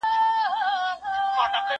زه پرون کالي وچوم وم!.